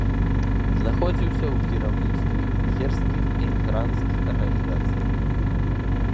Знаходзіўся ў кіраўніцтве венгерскіх эмігранцкіх арганізацый.